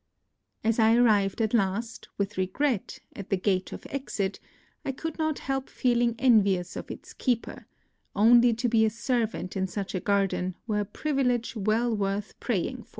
As I arrived at last, with regret, at the gate of exit, I could not help feeling envious of its keeper : only to be a servant in such a garden were a privilege well worth praying for.